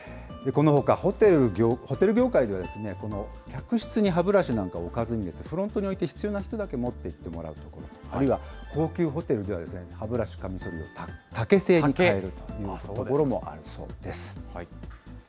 このほか、ホテル業界では、この客室にはブラシなんか置かずに、フロントに置いて必要な人だけ持っていってもらうとか、あるいは高級ホテルでは、歯ブラシ、カミソリを竹製にかえるという所もあるそうです。